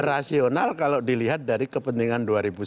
rasional kalau dilihat dari kepentingan dua ribu sembilan belas